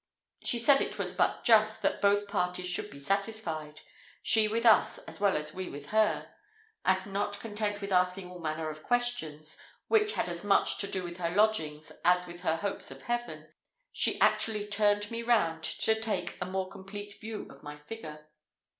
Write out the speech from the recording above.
She said it was but just that both parties should be satisfied, she with us as well as we with her; and not content with asking all manner of questions, which had as much to do with her lodgings as with her hopes of heaven, she actually turned me round to take a more complete view of my figure.